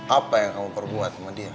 apa yang kamu perbuat sama dia